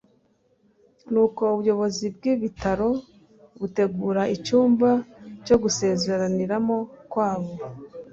nuko ubuyobozi bw'ibitaro butegura icyumba cyo gusezeraniramo kwabo